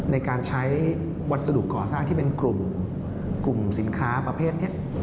ในการใช้วัสดุก่อสร้างที่เป็นกลุ่มสินค้าประเภทนี้